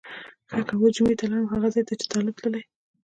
ښه که اوس جمعه ته لاړم هغه ځای ته چې طالب تللی.